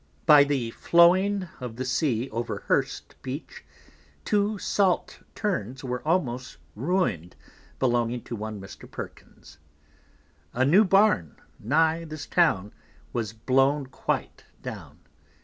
By the flowing of the Sea over Hurst Beach, two Salt terns were almost ruin'd belonging to one Mr. Perkins. A new Barn, nigh this Town, was blown quite down.